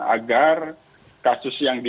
agar kasus yang di